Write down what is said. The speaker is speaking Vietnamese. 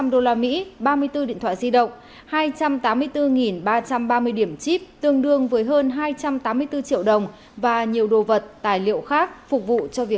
để làm địa điểm tổ chức